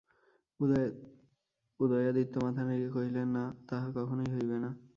উদয়াদিত্য মাথা নাড়িয়া কহিলেন, না, তাহা কখনোই হইবে না।